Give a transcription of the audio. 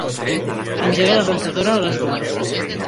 Engega la rentadora a les dues.